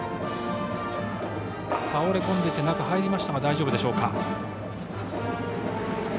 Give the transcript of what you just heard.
倒れこんでいて中に入りましたが大丈夫でしょうか。